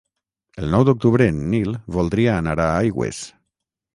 El nou d'octubre en Nil voldria anar a Aigües.